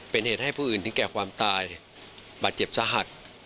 เป็นเหตุให้ผู้อื่นถึงแก่ความตายบาดเจ็บสาหัส